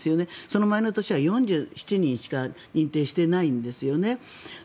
その前の年は４７人しか認定していないんですね。